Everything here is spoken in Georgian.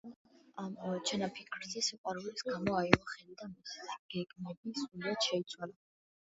თუმცა მან ამ ჩანაფიქრზე სიყვარულის გამო აიღო ხელი და მისი გეგმები სრულიად შეიცვალა.